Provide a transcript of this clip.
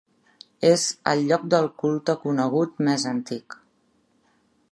És el lloc de culte conegut més antic.